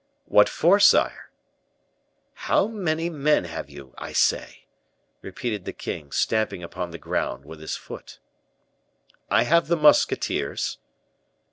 "What for, sire?" "How many men have you, I say?" repeated the king, stamping upon the ground with his foot. "I have the musketeers."